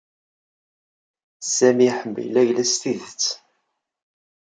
Sami iḥemmel Layla s tidet.